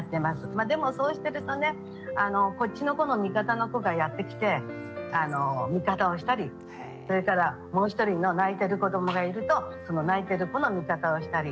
まあでもそうしてるとねこっちの子の味方の子がやって来て味方をしたりそれからもう一人の泣いてる子どもがいるとその泣いてる子の味方をしたり。